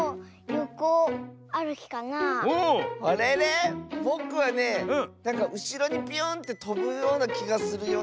あれれ⁉ぼくはねなんかうしろにビューンってとぶようなきがするよ。